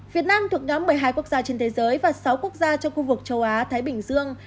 việt nam thuộc nhóm một mươi hai quốc gia trên thế giới và sáu quốc gia trong khu vực châu á thái bình dương